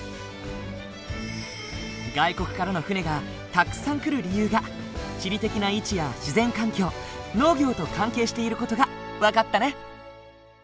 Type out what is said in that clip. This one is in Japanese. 外国からの船がたくさん来る理由が地理的な位置や自然環境農業と関係している事が分かったね。